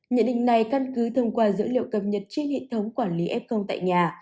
nhận định này căn cứ thông qua dữ liệu cập nhật trên hệ thống quản lý ép công tại nhà